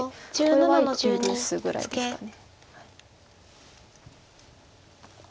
これは許すぐらいですか。